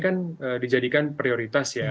kan dijadikan prioritas ya